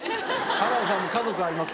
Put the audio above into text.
原田さんも家族あります。